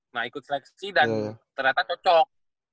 mau ikut seleksi dan ternyata cocok